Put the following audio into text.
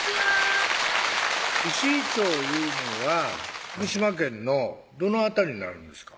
石井町いうのは徳島県のどの辺りになるんですか？